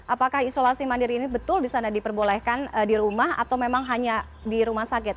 apakah isolasi mandiri ini betul di sana diperbolehkan di rumah atau memang hanya di rumah sakit